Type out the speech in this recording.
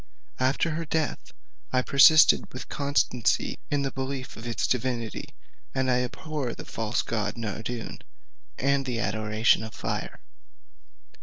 After her death I persisted with constancy in the belief of its divinity: and I abhor the false god Nardoun, and the adoration of fire.